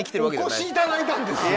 お越しいただいたんですよ。